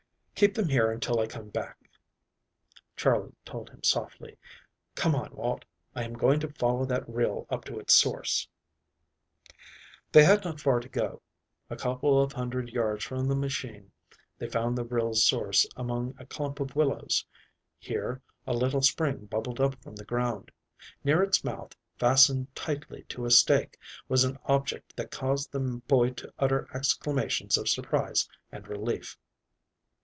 "Keep them here until I come back," Charley told him softly. "Come on, Walt, I am going to follow that rill up to its source." They had not far to go. A couple of hundred yards from the machine they found the rill's source among a clump of willows. Here a little spring bubbled up from the ground. Near its mouth, fastened tightly to a stake, was an object that caused the boy to utter exclamations of surprise and relief.